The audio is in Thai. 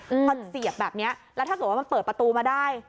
พอเสียบแบบเนี้ยแล้วถ้าเกิดว่ามันเปิดประตูมาได้